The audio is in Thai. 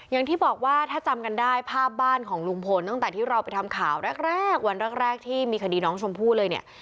อย่างที่บอกว่าถ้าจำกันได้ภาพบ้านของลุงพลตั้งแต่ที่เราไปทำข่าวแรกแรกวันแรกที่มีคดีน้องชมพู่เลยเนี่ย